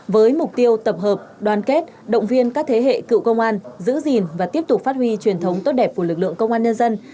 với mục tiêu tập hợp đoàn kết động viên các thế hệ cựu công an giữ gìn và tiếp tục phát huy truyền thống tốt đẹp của lực lượng công an nhân dân